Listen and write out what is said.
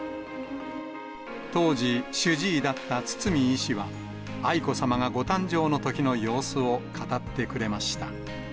当時、主治医だった堤医師は、愛子さまがご誕生のときの様子を語ってくれました。